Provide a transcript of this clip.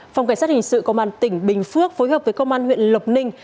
phòng cảnh sát hình sự công an tỉnh bình phước phối hợp với công an huyện lộc ninh